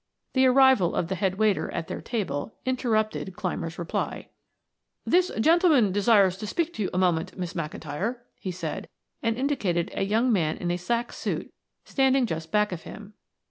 The arrival of the head waiter at their table interrupted Clymer's reply. "This gentleman desires to speak to you a moment, Miss McIntyre," he said, and indicated a young man in a sack suit standing just back of him.